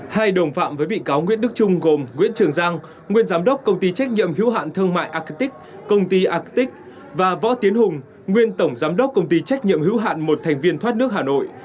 hai đồng phạm với bị cáo nguyễn đức trung gồm nguyễn trường giang nguyên giám đốc công ty trách nhiệm hữu hạn thương mại acic công ty agtic và võ tiến hùng nguyên tổng giám đốc công ty trách nhiệm hữu hạn một thành viên thoát nước hà nội